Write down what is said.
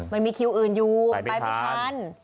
มันมีคิวอื่นอยู่ไปไปทัน